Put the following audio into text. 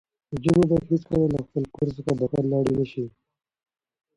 نجونې باید هېڅکله له خپل کور څخه بهر لاړې نه شي.